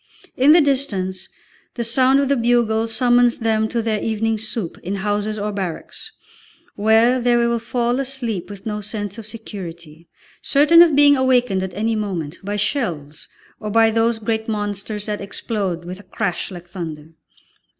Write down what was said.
In the distance the sound of the bugle summons them to their evening soup in houses or barracks, where they will fall asleep with no sense of security, certain of being awakened at any moment by shells, or by those great monsters that explode with a crash like thunder.